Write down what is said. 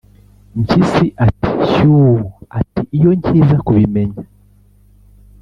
mpyisi ati: ‘shyuu, ati iyo nkiza kubimenya.